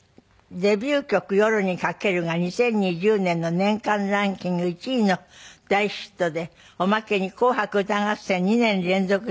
デビュー曲『夜に駆ける』が２０２０年の年間ランキング１位の大ヒットでおまけに『紅白歌合戦』２年連続出場。